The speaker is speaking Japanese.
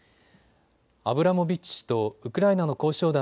アブラモビッチ氏とウクライナの交渉